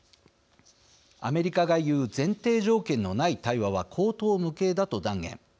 アメリカが言う前提条件のない対話は荒唐無稽だと断言。